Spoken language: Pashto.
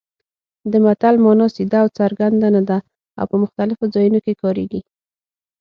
د متل مانا سیده او څرګنده نه ده او په مختلفو ځایونو کې کارېږي